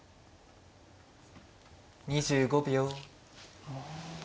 ２５秒。